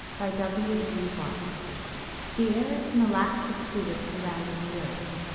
BY W. E. WATT. The air is an elastic fluid surrounding the earth.